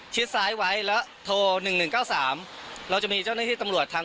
ชิดทายไว้แล้วโทรหนึ่งหนึ่งเก้าสามเราจะมีเจ้าเนื้อที่ตำลวดทาง